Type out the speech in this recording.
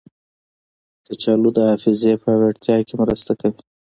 کچالو د حافظې پیاوړتیا کې مرسته کوي.